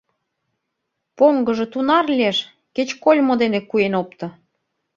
Поҥгыжо тунар лиеш — кеч кольмо дене куэн опто.